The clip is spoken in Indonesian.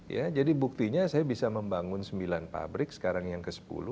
ya jadi buktinya saya bisa membangun sembilan pabrik sekarang yang ke sepuluh